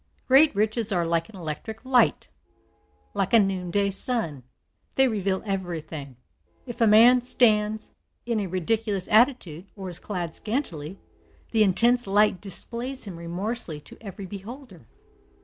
Great riches are like an electric light like a noonday sun; they reveal everything. If a man stands in a ridiculous attitude, or is clad scantily, the intense light displays him remorselessly to every beholder.